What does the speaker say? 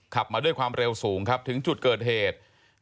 ขับมาด้วยความเร็วสูงครับถึงจุดเกิดเหตุ